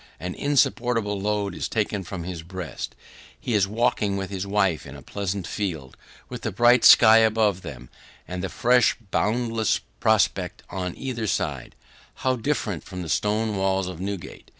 An insupportable load is taken from his breast; he is walking with his wife in a pleasant field, with the bright sky above them, and a fresh and boundless prospect on every side how different from the stone walls of Newgate!